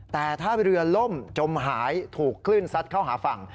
แต่ถ้าเรือล่มจมหายถูกคลื่นซัดเข้าหาฝั่ง